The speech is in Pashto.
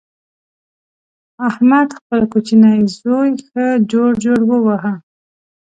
احمد خپل کوچنۍ زوی ښه جوړ جوړ وواهه.